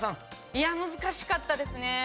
いや難しかったですね。